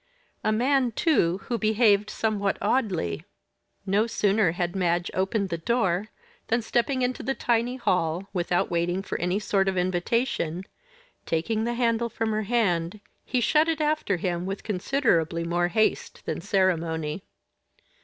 A man, too, who behaved somewhat oddly. No sooner had Madge opened the door, than stepping into the tiny hall, without waiting for any sort of invitation, taking the handle from her hand, he shut it after him with considerably more haste than ceremony.